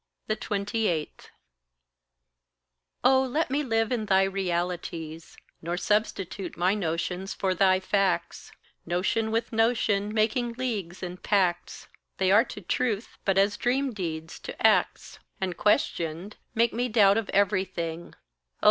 28. Oh, let me live in thy realities, Nor substitute my notions for thy facts, Notion with notion making leagues and pacts; They are to truth but as dream deeds to acts, And questioned, make me doubt of everything.